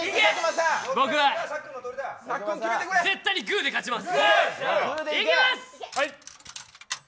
僕は絶対にグーで勝ちます！